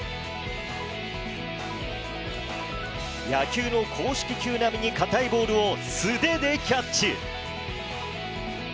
野球の公式球並みに硬いボールを素手でキャッチ。